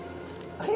あれ？